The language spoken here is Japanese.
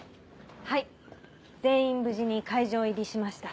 はい全員無事に会場入りしました。